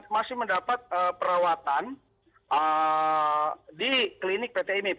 masih mendapat perawatan di klinik pt ini